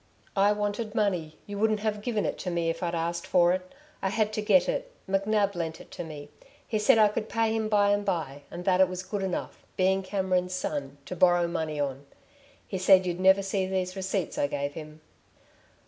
"I wanted money; you wouldn't have given it to me if I'd asked for it. I had to get it. McNab lent it to me. He said I could pay him by and by, and that it was good enough being Cameron's son to borrow money on. He said you'd never see these receipts I gave him."